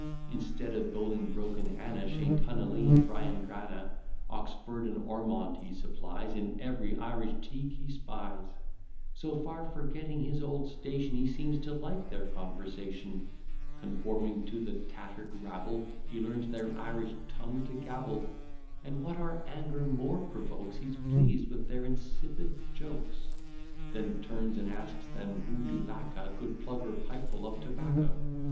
Instead of Bolingbroke and Anna, Shane Tunnally, and Bryan Granna, Oxford and Ormond he supplies, In every Irish Teague he spies: So far forgetting his old station, He seems to like their conversation, Conforming to the tatter'd rabble, He learns their Irish tongue to gabble; And, what our anger more provokes, He's pleased with their insipid jokes; Then turns and asks them who do lack a Good plug, or pipefull of tobacco.